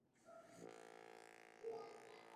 wengi wa kikundi hiki cha West Side Boys walikuwa recruited